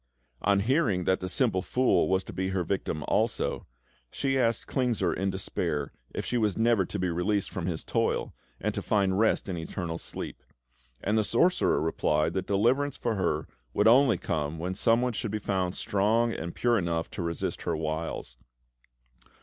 On hearing that the simple Fool was to be her victim also, she asked Klingsor in despair if she was never to be released from his toil, and to find rest in eternal sleep; and the sorcerer replied that deliverance for her would only come when someone should be found strong and pure enough to resist her wiles.